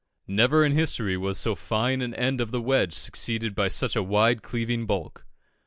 Never in history was so fine an end of the wedge succeeded by such a wide cleaving bulk.